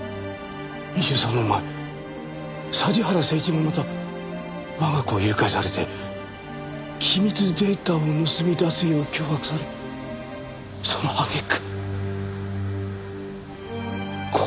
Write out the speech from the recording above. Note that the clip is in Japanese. ２３年前桟原誠一もまた我が子を誘拐されて機密データを盗み出すよう脅迫されその揚げ句殺されたんだ。